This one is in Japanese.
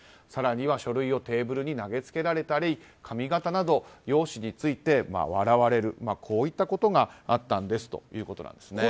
更には書類をテーブルに投げつけられたり髪形など容姿について笑われるこういったことがあったんですということです。